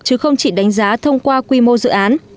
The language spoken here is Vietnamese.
chứ không chỉ đánh giá thông qua quy mô dự án